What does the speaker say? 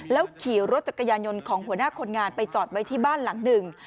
ขี่รถจักรยานยนต์ของหัวหน้าคนงานไปจอดไว้ที่บ้านหลังหนึ่ง